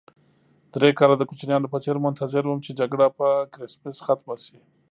درې کاله د کوچنیانو په څېر منتظر وم چې جګړه په کرېسمس ختمه شي.